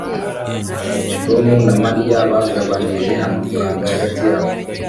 tom na mariya bagabanije amafaranga hagati yabo